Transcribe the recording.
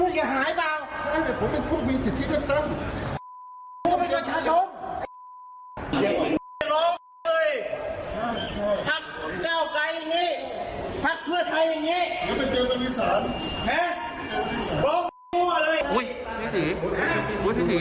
มาบุกตัวเมื่อกี๊